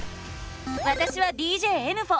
わたしはＤＪえぬふぉ。